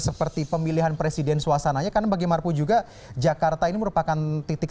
seperti pemilihan presiden suasananya karena bagi marpu juga jakarta ini merupakan titik